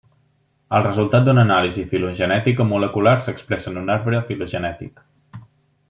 El resultat d'una anàlisi filogenètica molecular s'expressa en un arbre filogenètic.